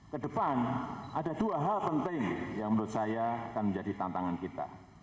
kedepan ada dua hal penting yang menurut saya akan menjadi tantangan kita